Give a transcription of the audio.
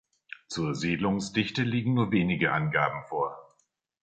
Zur Siedlungsdichte liegen nur wenige Angaben vor.